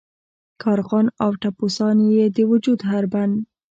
کارغان او ټپوسان یې د وجود هر بند.